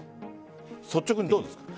率直にどうですか？